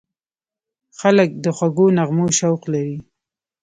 خلک د خوږو نغمو شوق لري.